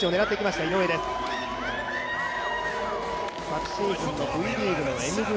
昨シーズンのＶリーグ、ＭＶＰ。